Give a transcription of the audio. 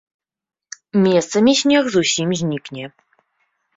Месцамі снег зусім знікне.